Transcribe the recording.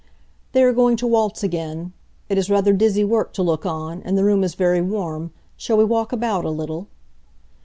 "They are going to waltz again. It is rather dizzy work to look on, and the room is very warm; shall we walk about a little?"